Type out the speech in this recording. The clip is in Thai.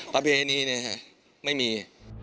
ประเพณีนี้นะครับไม่มี